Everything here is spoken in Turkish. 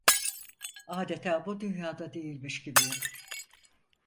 Adeta bu dünyada değilmiş gibiyim…